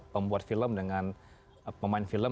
pembuat film dengan pemain film